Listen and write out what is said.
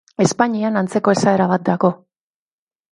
Espainian, antzeko esaera bat dago.